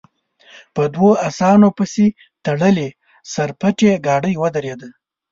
پر دوو اسانو پسې تړلې سر پټې ګاډۍ ودرېده.